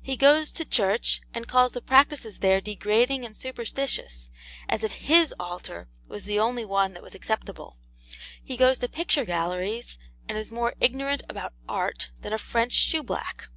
He goes to church, and calls the practices there degrading and superstitious: as if HIS altar was the only one that was acceptable. He goes to picture galleries, and is more ignorant about Art than a French shoeblack.